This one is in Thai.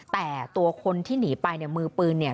แต่ตัวคนที่หนีไปเนี่ยมือปืนเนี่ย